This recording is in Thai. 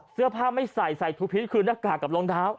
เสื้อผ้าไม่ใส่ใส่ทุกพิษคือหน้ากากกับรองเท้า